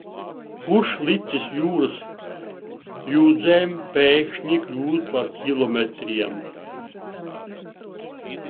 Kurš licis jūras jūdzēm pēkšņi kļūt par kilometriem?